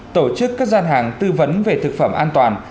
tổ chức các gian hàng tư vấn về thực phẩm an toàn